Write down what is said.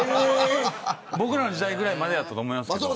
僕らの時代ぐらいまでだと思いますけど。